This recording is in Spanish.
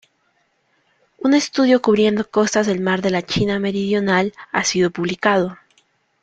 Un estudio cubriendo costas del Mar de la China Meridional ha sido publicado.